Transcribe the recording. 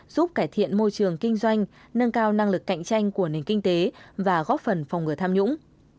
giúp cải thiện môi trường kinh doanh nâng cao năng lực cạnh tranh của nền kinh tế và góp phần phòng ngừa tham nhũng